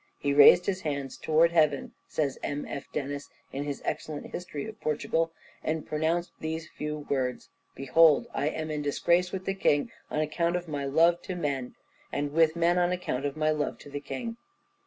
"He raised his hands towards heaven," says M. F. Denis, in his excellent History of Portugal, "and pronounced these few words: Behold I am in disgrace with the king on account of my love to men, and with men on account of my love to the king.